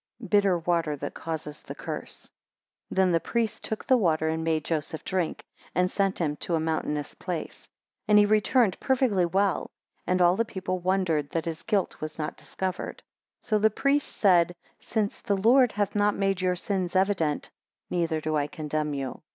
[bitter water that causeth the curse] 18 Then the priest took the water, and made Joseph drink, and sent him to a mountainous place, 19 And he returned perfectly well, and all the people wondered that his guilt was not discovered. 20 So the priest said, Since the Lord hath not made your sins evident, neither do I condemn you.